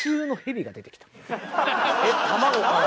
えっ卵から？